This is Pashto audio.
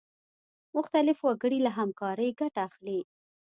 مختلف وګړي له همکارۍ ګټه اخلي.